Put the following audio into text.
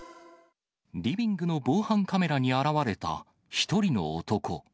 リビングの防犯カメラに現れた１人の男。